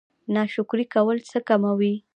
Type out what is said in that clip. ناشکري کول څه کموي؟